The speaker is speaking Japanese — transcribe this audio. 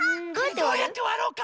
どうやってわろうか。